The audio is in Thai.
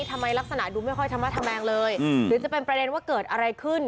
ทำไมลักษณะดูไม่ค่อยธรรมะธแมงเลยหรือจะเป็นประเด็นว่าเกิดอะไรขึ้น